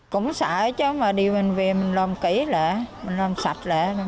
cũng sợ chứ mà đi bệnh viện mình làm kỹ lại mình làm sạch lại